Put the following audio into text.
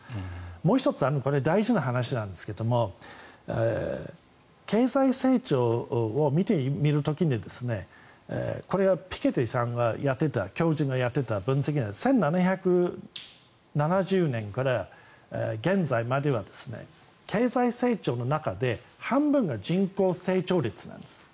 もう１つ大事な話なんですが経済成長を見てみる時にこれはピケティさんがやっていた教授がやっていた分析で１７７０年から現在までは経済成長の中で半分が人口成長率なんです。